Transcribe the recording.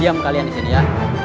diam kalian disini ya